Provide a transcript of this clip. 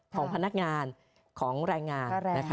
ของพนักงานของรายงาน